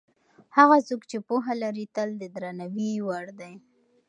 هغه څوک چې پوهه لري تل د درناوي وړ دی.